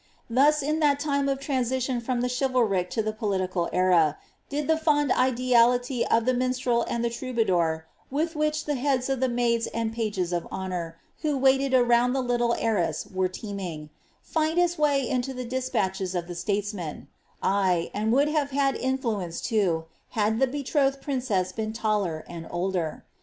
Thus, in that time of transition from the chivalric to die political era, did the fond ideality of the minstrel and the trouba dour—^with which the heads of the maids and pages of honour, who vailed around the little heiress, were teeming— find its way into the &atches of the statesman ; ay, and would have had infiuence, too, the betrothed princess been taller and older.